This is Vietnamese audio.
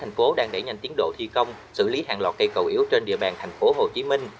thành phố đang đẩy nhanh tiến độ thi công xử lý hàng loạt cây cầu yếu trên địa bàn thành phố hồ chí minh